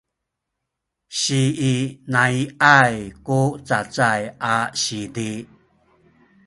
siinai’ay ku cacay a sizi